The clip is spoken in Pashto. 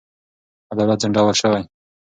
عدالت ځنډول شوی.